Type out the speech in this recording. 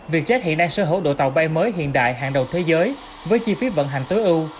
vietjet hiện nay sở hữu đội tàu bay mới hiện đại hàng đầu thế giới với chi phí vận hành tối ưu